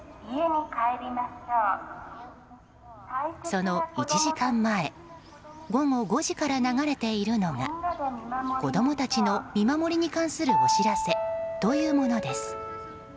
その１時間前午後５時から流れているのが「子供たちの見守りに関するお知らせ」というものです。